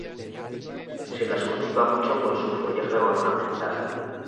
Se las cultiva mucho por su follaje ornamental.